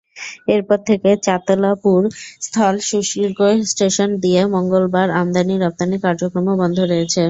এরপর থেকে চাতলাপুর স্থল শুল্ক স্টেশন দিয়ে মঙ্গলবার আমদানি-রপ্তানি কার্যক্রমও বন্ধ রয়েছে।